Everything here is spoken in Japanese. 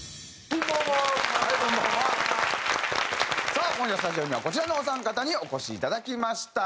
さあ今夜スタジオにはこちらのお三方にお越しいただきました。